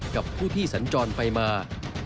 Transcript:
กับผู้ที่สัญจรไปมา